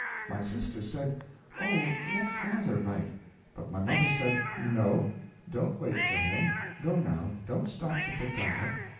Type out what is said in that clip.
My sister said, "Oh, let father write!" but my mother said, "No, don't wait for him. Go now; don't stop to pick that up.